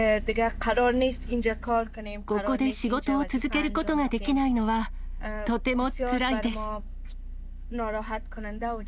ここで仕事を続けることができないのは、とてもつらいです。